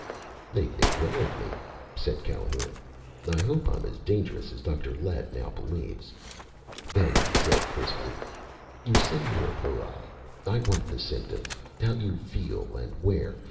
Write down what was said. "They think well of me," said Calhoun. "I hope I'm as dangerous as Dr. Lett now believes." Then he said crisply: "You say you're a para. I want the symptoms: how you feel and where.